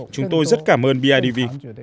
chúng tôi rất cảm ơn bidv